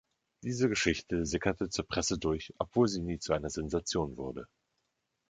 Diese Geschichte sickerte zur Presse durch, obwohl sie nie zu einer Sensation wurde.